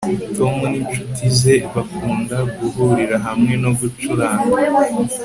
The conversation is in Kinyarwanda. Tom ninshuti ze bakunda guhurira hamwe no gucuranga